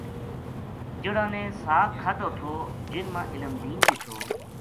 جہڑاں نے ساگ کھادو تھو جن ما علم دین بھی تھو